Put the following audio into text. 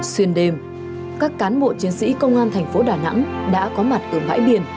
xuyên đêm các cán bộ chiến sĩ công an thành phố đà nẵng đã có mặt ở bãi biển